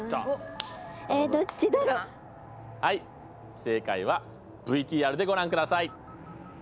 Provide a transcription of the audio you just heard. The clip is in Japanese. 正解はＶＴＲでご覧ください。